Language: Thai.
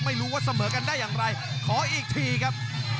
ไม่รู้ว่าเสมอกันได้อย่างไรขออีกทีครับ